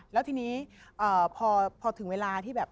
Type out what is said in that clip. แล้วทีนี้พอถึงเวลาที่แบบ